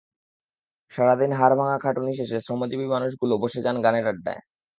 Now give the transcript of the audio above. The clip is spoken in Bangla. সারা দিন হাড়ভাঙা খাটুনি শেষে শ্রমজীবী মানুষগুলো বসে যান গানের আড্ডায়।